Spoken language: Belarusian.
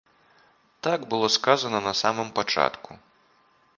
Так было сказана на самым пачатку.